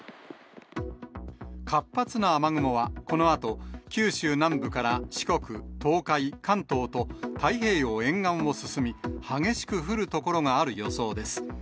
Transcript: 活発な雨雲はこのあと、九州南部から四国、東海、関東と、太平洋沿岸を進み、激しく降る所がある予想です。